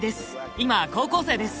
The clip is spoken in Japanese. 今高校生です。